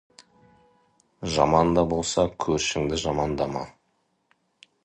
Жаман да болса көршіңді жамандама.